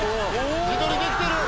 自撮りできてる。